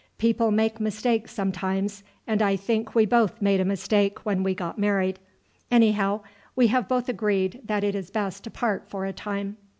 People make mistakes sometimes, and I think we both made a mistake when we got married. Anyhow, we have both agreed that it is best to part for a time."